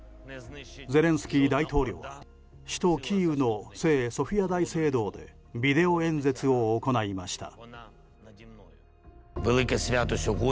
ゼレンスキー大統領は首都キーウの聖ソフィア大聖堂でビデオ演説を行いました。